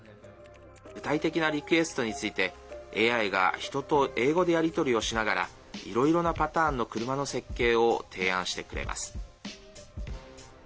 具体的なリクエストについてＡＩが、人と英語でやり取りをしながらいろいろなパターンの車の設計を提案してくれます。